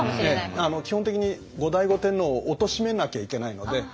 基本的に後醍醐天皇をおとしめなきゃいけないので。